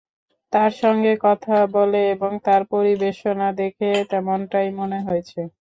তার সঙ্গে কথা বলে এবং তার পরিবেশনা দেখে তেমনটাই মনে হয়েছে।